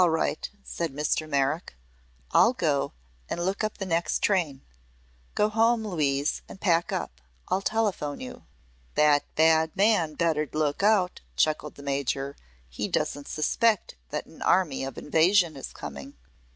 "All right," said Mr. Merrick. "I'll go and look up the next train. Go home, Louise, and pack up. I'll telephone you." "That bad man 'd better look out," chuckled the Major. "He doesn't suspect that an army of invasion is coming."